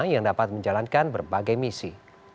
yang dapat menjalankan berbagai misi